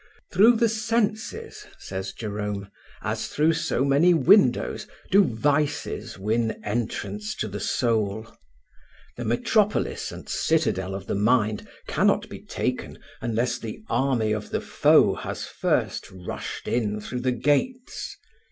"Through the senses," says Jerome, "as through so many windows, do vices win entrance to the soul. The metropolis and citadel of the mind cannot be taken unless the army of the foe has first rushed in through the gates.